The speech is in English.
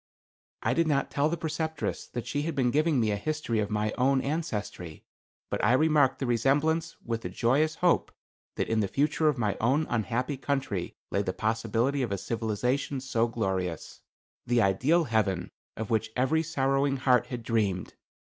I did not tell the Preceptress that she had been giving me a history of my own ancestry; but I remarked the resemblance with the joyous hope that in the future of my own unhappy country lay the possibility of a civilization so glorious, the ideal heaven of which every sorrowing heart had dreamed.